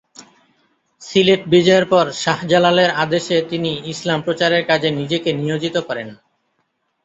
সিলেট বিজয়ের পর শাহ জালালের আদেশে তিনি ইসলাম প্রচারের কাজে নিজেকে নিয়োজিত করেন।